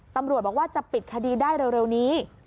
ตำรวจบอกว่าจะปิดคดีได้เร็วนี้